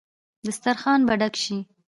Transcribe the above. دسترخان به ډک شي.